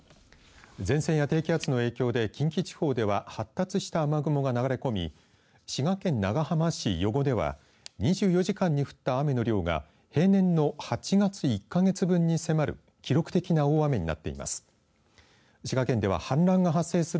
前線や低気圧の影響で近畿地方では発達した雨雲が流れ込み滋賀県長浜市余呉では２４時間に降った雨の量が平年の８月１か月分に迫る記録的な大雨になっています。